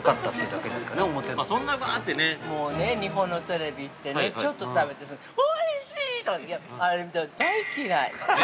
◆日本のテレビってねちょっと食べて「おいしいー！」って、あれ大嫌い。